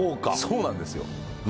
そうなんですよ。